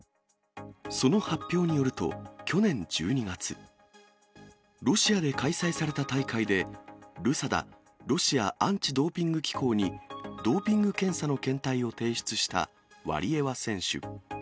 その発表によると、去年１２月、ロシアで開催された大会で、ルサダ・ロシアアンチドーピング機構に、ドーピング検査の検体を提出したワリエワ選手。